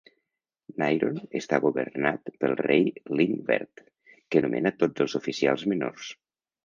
Nyrond està governat pel rei Lynwerd, que nomena tots els oficials menors.